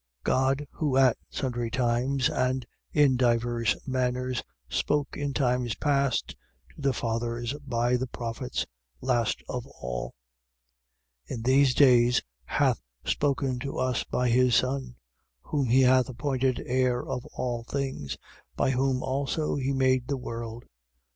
1:1. God, who, at sundry times and in divers manners, spoke in times past to the fathers by the prophets, last of all, 1:2. In these days, hath spoken to us by his Son, whom he hath appointed heir of all things, by whom also he made the world.